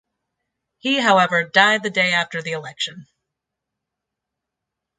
He however died the day after the election.